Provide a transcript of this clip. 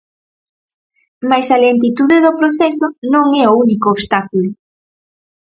Mais a lentitude do proceso non é o único obstáculo.